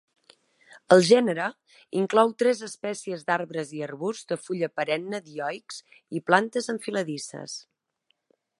El gènere inclou tres espècies d'arbres i arbusts de fulla perenne dioics, i plantes enfiladisses.